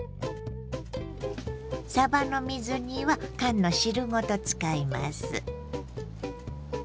さばの水煮は缶の汁ごと使います。